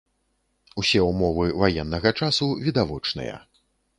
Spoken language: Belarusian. Усе ўмовы ваеннага часу відавочныя.